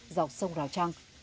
dọc sông giao trang